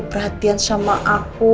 berhatiin sama aku